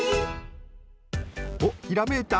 おっひらめいた？